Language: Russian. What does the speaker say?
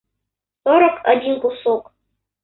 сорок один кусок